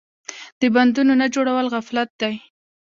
د بندونو نه جوړول غفلت دی.